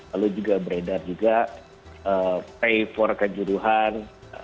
lalu juga beredar juga pay for kejuruhan